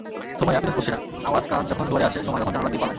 সুমাইয়া, পিরোজপুরসেরা আওয়াজকাজ যখন দুয়ারে আসে, সময় তখন জানালা দিয়ে পালায়।